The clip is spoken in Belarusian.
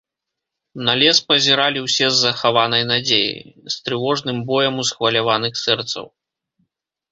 На лес пазіралі ўсе з захаванай надзеяй, з трывожным боем усхваляваных сэрцаў.